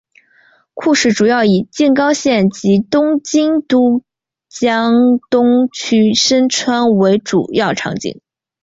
故事主要以静冈县及东京都江东区深川为主要场景。